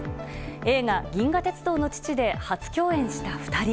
映画「銀河鉄道の父」で初共演した２人。